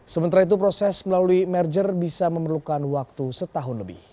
sementara itu proses melalui merger bisa memerlukan waktu setahun lebih